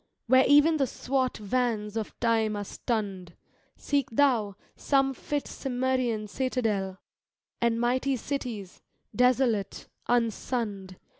Where even the swart vans of Time are stunned. Seek thou some fit Cimmerian citadel. And mi^ty cities, desolate, unsunned.